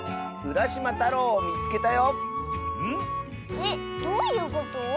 えっどういうこと？